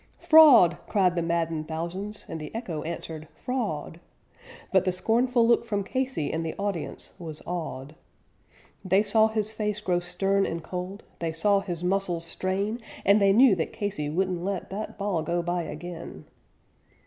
"Fraud!" cried the maddened thousands, and the echo answered, "Fraud!" But the scornful look from Casey, and the audience was awed; They saw his face grow stern and cold, they saw his muscles strain, And they knew that Casey wouldn't let that ball go by again.